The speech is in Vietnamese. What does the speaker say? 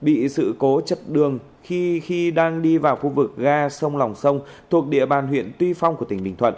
bị sự cố chật đường khi đang đi vào khu vực ga sông lòng sông thuộc địa bàn huyện tuy phong của tỉnh bình thuận